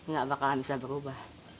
gak bakalan bisa berubah